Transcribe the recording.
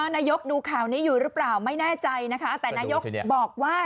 ดูข่าวนี้อยู่หรือเปล่าไม่แน่ใจนะคะแต่นายกบอกว่า